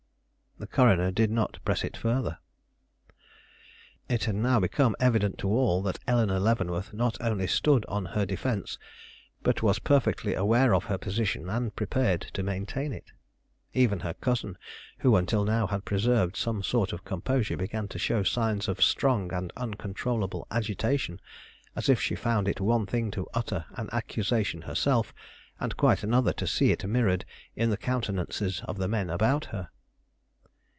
The coroner did not press it further. It had now become evident to all, that Eleanore Leavenworth not only stood on her defence, but was perfectly aware of her position, and prepared to maintain it. Even her cousin, who until now had preserved some sort of composure, began to show signs of strong and uncontrollable agitation, as if she found it one thing to utter an accusation herself, and quite another to see it mirrored in the countenances of the men about her.